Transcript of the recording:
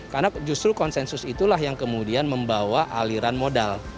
karena justru konsensus itulah yang kemudian membawa aliran modal